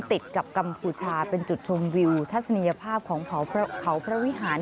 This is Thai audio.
ติดกับกัมพูชาเป็นจุดชมวิวทัศนียภาพของเขาพระวิหาร